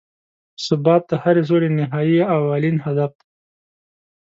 ثبات د هرې سولې نهایي او اولین هدف دی.